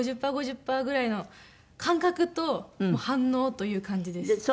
５０パー５０パーぐらいの感覚と反応という感じです。